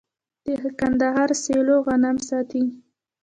د کندهار سیلو غنم ساتي.